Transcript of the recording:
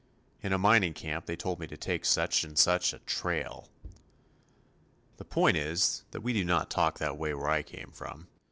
In a mining camp they told me to take such and such a "trail." The point is, that we did not talk that way where I came from.